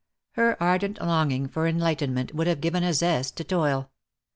Her ardent longing for enlightenment would have given a zest to toil.